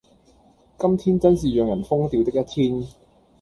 今天真是讓人瘋掉的一天